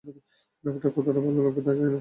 ব্যাপারটা কতটা ভাল লাগবে তা জানি না।